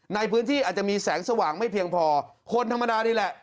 ในพื้นที่อาจจะมีแสงสว่างไม่เพียงพอคนธรรมดานี่แหละ